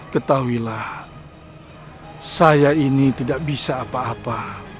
ketahuilah saya ini tidak bisa apa apa